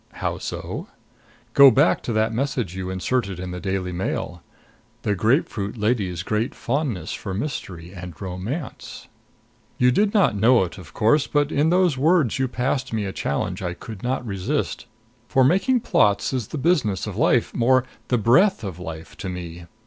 How so? Go back to that message you inserted in the Daily Mail: "The grapefruit lady's great fondness for mystery and romance " You did not know it, of course; but in those words you passed me a challenge I could not resist; for making plots is the business of life more, the breath of life to me.